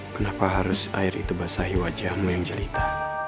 kenapa harus air itu basahi wajahmu yang cerita